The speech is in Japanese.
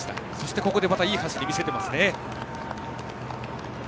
ここでもいい走りを見せてます。